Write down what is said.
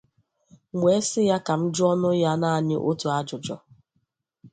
M wee sị ya ka m jụọnụ ya naanị otu ajụjụ